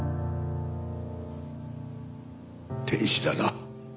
天使だな。